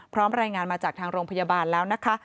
รายงานมาจากทางโรงพยาบาลแล้วนะคะ